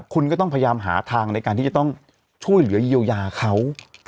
คุณก็ต้องพยายามหาทางในการที่จะต้องช่วยเหลือเยียวยาเขา